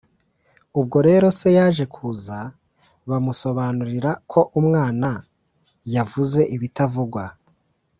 ubwo rero se yaje kuza bamusobanurira ko umwana yavuze ibitavugwa,